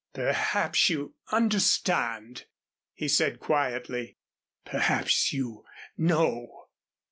"Perhaps you understand," he said quietly. "Perhaps you know."